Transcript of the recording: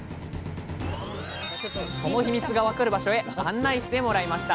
そのヒミツが分かる場所へ案内してもらいました